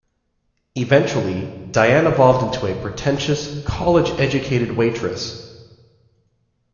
Eventually, Diane evolved into a pretentious, college-educated waitress.